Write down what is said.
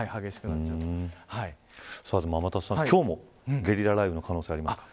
天達さん、今日もゲリラ雷雨の可能性ありますか。